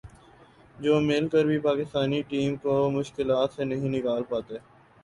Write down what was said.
جو مل کر بھی پاکستانی ٹیم کو مشکلات سے نہیں نکال پاتے